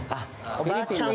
おばあちゃん？